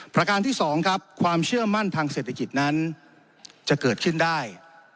ประการที่๒ครับความเชื่อมั่นทางเศรษฐกิจนั้นจะเกิดขึ้นได้